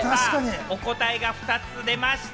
お答えが２つ出ました。